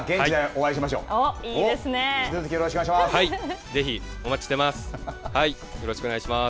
引き続きよろしくお願いします。